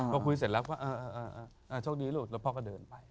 พอคุยเสร็จแล้วก็โชคดีลูกแล้วพ่อก็เดินไป